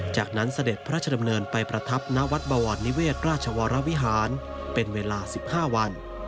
จากนั้นเสด็จพระราชดำเนินไปประทับณวัดบวรนิเวศราชวรวิหารเป็นเวลา๑๕วัน